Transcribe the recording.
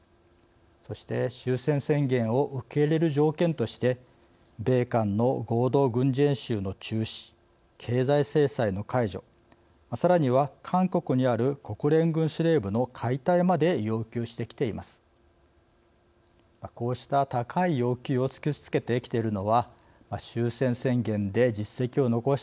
そして終戦宣言を受け入れる条件として米韓の合同軍事演習の中止経済制裁の解除、さらには韓国にある国連軍司令部の解体まで要求してきています。